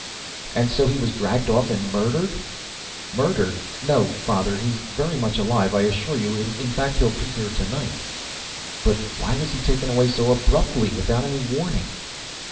"And so he was dragged off and murdered." "Murdered? No, Father, he's very much alive, I assure you. In fact, he'll be here tonight." "But why was he taken away so abruptly, without any warning?"